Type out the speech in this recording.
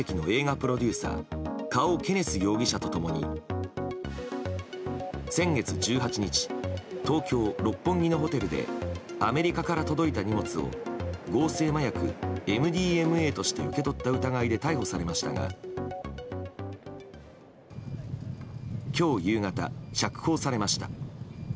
プロデューサーカオ・ケネス容疑者と共に先月１８日東京・六本木のホテルでアメリカから届いた荷物を合成麻薬ＭＤＭＡとして受け取った疑いで逮捕されましたが今日夕方、釈放されました。